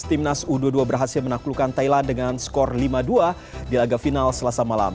timnas u dua puluh dua berhasil menaklukkan thailand dengan skor lima dua di laga final selasa malam